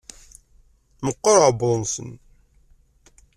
Meqqer uɛebbuḍ-nsen.